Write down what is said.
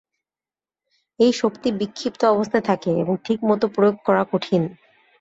এই শক্তি বিক্ষিপ্ত অবস্থায় থাকে এবং ঠিকমতো প্রয়োগ করা কঠিন।